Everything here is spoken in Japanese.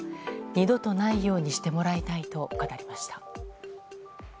二度とないようにしてもらいたいと語りました。